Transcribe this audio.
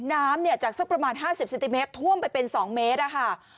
น้ำเนี่ยจากสักประมาณ๕๐เซนติเมตรท่วมไปเป็น๒เมตรนะคะ